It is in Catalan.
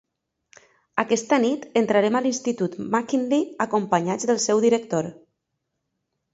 Aquesta nit entrarem a l'institut McKinley acompanyats del seu director.